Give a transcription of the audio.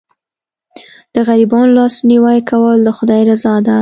د غریبانو لاسنیوی کول د خدای رضا ده.